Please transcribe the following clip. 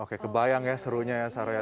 oke kebayang ya serunya ya saroya